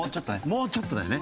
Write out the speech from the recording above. もうちょっとだよね。